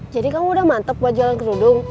jadi kamu udah mantep buat jualan ke rudung